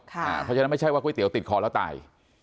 เพราะฉะนั้นไม่ใช่ว่าก๋วเตี๋ยติดคอแล้วตาย